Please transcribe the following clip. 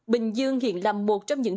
bình dương hiện là một trong những